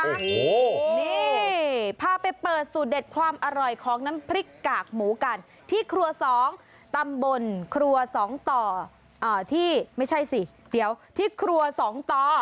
โอ้โหนี่พาไปเปิดสูตรเด็ดความอร่อยของน้ำพริกกากหมูกันที่ครัวสองตำบลครัวสองต่อที่ไม่ใช่สิเดี๋ยวที่ครัวสองต่อ